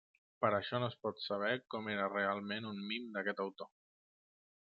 Per això no es pot saber com era realment un mim d'aquest autor.